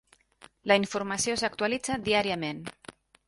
La informació s'actualitza diàriament.